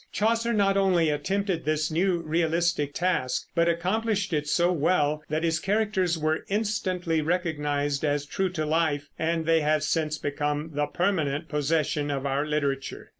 Chaucer not only attempted this new realistic task, but accomplished it so well that his characters were instantly recognized as true to life, and they have since become the permanent possession of our literature.